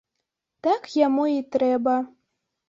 Так яму і трэба.